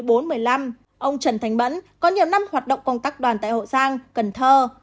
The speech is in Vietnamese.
ông trần thánh bẫn có nhiều năm hoạt động công tác đoàn tại hậu giang cần thơ